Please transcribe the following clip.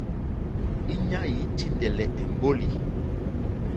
Íɲá î tíndɛ́lɛ́ èmbólì.